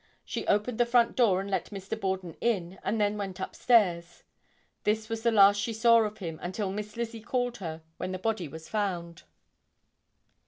She opened the front door and let Mr. Borden in and then went up stairs. This was the last she saw of him until Miss Lizzie called her when the body was found.